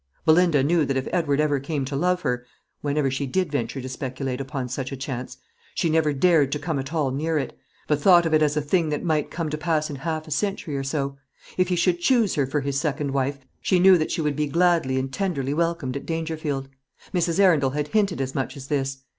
Belinda knew that if Edward ever came to love her, whenever she did venture to speculate upon such a chance, she never dared to come at all near it, but thought of it as a thing that might come to pass in half a century or so if he should choose her for his second wife, she knew that she would be gladly and tenderly welcomed at Dangerfield. Mrs. Arundel had hinted as much as this.